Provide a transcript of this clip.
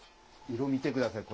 色、見てください。